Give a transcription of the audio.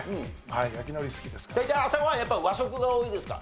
大体朝ご飯やっぱ和食が多いですか？